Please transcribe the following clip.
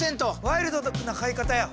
ワイルドな買い方や。